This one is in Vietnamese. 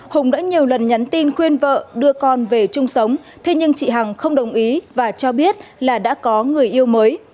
hùng đã nhiều lần nhắn tin khuyên vợ đưa con về chung sống thế nhưng chị hằng không đồng ý và cho biết là đã có người yêu mới